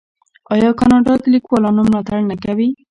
آیا کاناډا د لیکوالانو ملاتړ نه کوي؟